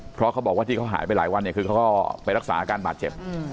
เพราะเขาบอกว่าที่เขาหายไปหลายวันเนี่ยคือเขาก็ไปรักษาอาการบาดเจ็บ